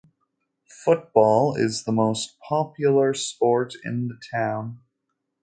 Football is the most popular sport in the town.